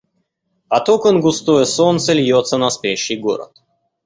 От окон густое солнце льется на спящий город.